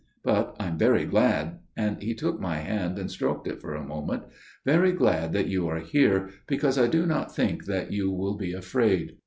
But I am very glad," and he took my hand and stroked it for a moment, "very glad that you are here, because I do not think that you will be afraid."